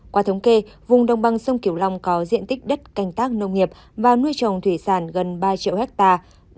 qua thống kê vùng đồng bằng sông kiểu long có diện tích đất canh tác nông nghiệp và nuôi trồng thủy sản gần ba triệu hectare